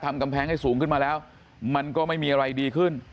กำแพงให้สูงขึ้นมาแล้วมันก็ไม่มีอะไรดีขึ้น